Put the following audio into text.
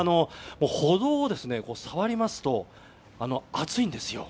歩道を触りますと熱いんですよ。